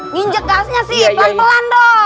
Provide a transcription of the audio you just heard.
nginjek gasnya sih pelan pelan dong